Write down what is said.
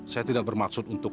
saya tidak bermaksud untuk